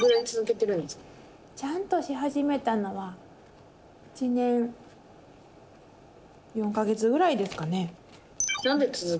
ちゃんとし始めたのは１年４か月ぐらいですかね。